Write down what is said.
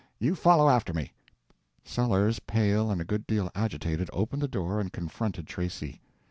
You follow after me." Sellers, pale and a good deal agitated, opened the door and confronted Tracy.